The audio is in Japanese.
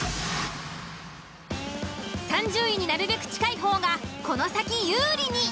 ３０位になるべく近い方がこの先有利に。